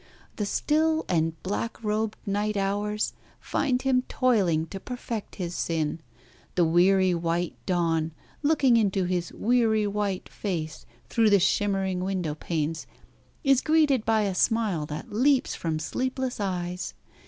The still and black robed night hours find him toiling to perfect his sin; the weary white dawn, looking into his weary white face through the shimmering window panes, is greeted by a smile that leaps from sleepless eyes.